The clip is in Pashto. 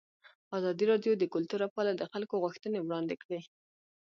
ازادي راډیو د کلتور لپاره د خلکو غوښتنې وړاندې کړي.